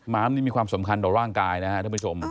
้ามนี่มีความสำคัญต่อร่างกายนะครับท่านผู้ชม